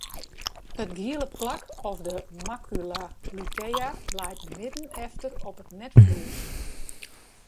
It giele plak of de macula lutea leit midden efter op it netflues.